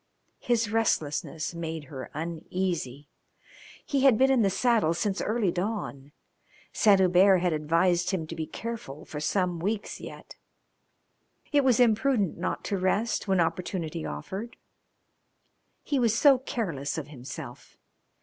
His restlessness made her uneasy. He had been in the saddle since early dawn. Saint Hubert had advised him to be careful for some weeks yet. It was imprudent not to rest when opportunity offered. He was so careless of himself.